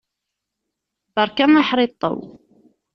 Beṛka aḥriṭṭew!